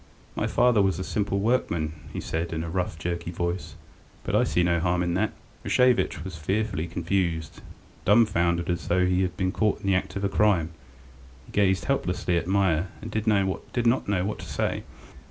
"My father was a simple workman," he said, in a rough, jerky voice, "but I see no harm in that." Rashevitch was fearfully confused. Dumbfoundered, as though he had been caught in the act of a crime, he gazed helplessly at Meier, and did not know what to say.